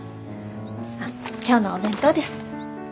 あっ今日のお弁当です。